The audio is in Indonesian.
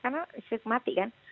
karena istri mati kan